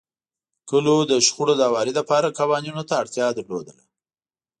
کلیو د شخړو د هواري لپاره قوانینو ته اړتیا لرله.